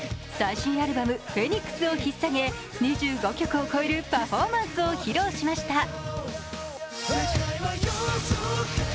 最新アルバム「フェニックス」をひっ提げ２５曲を超えるパフォーマンスを披露しました。